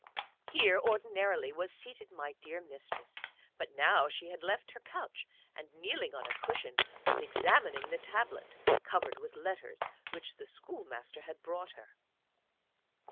Here ordinarily was seated my dear Mistress. But now she had left her couch, and, kneeling on a cushion, was examining the Tablet covered with letters which the Schoolmaster had brought her.